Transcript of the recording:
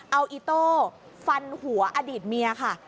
เอาอิโต้ฟันหัวอดีตเมียค่ะ